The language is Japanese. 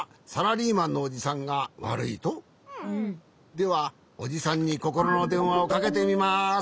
ではおじさんにココロのでんわをかけてみます。